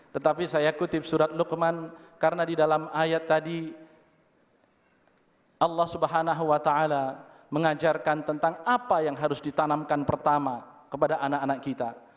tetapi saya kutip surat lukman karena di dalam ayat tadi allah swt mengajarkan tentang apa yang harus ditanamkan pertama kepada anak anak kita